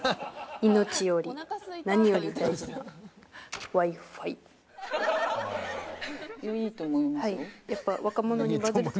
「命より何より大事なＷｉ−Ｆｉ」いいと思いますよ。